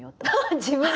自分で。